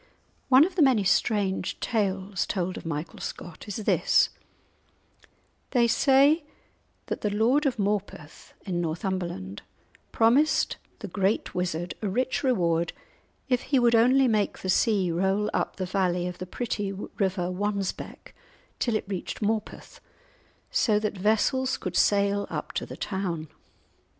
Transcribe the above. One of the many strange tales told of Michael Scott is this:— They say that the lord of Morpeth, in Northumberland, promised the great wizard a rich reward if he would only make the sea roll up the valley of the pretty river Wansbeck till it reached Morpeth, so that vessels could sail up to the town.